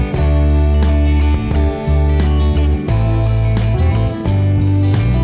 hẹn gặp lại